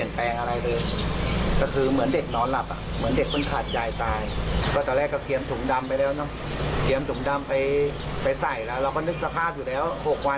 แล้วเราก็นึกสภาพอยู่แล้วเข้าวันแล้วอะ